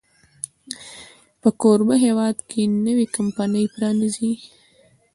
په کوربه هېواد کې نوې کمپني پرانیزي.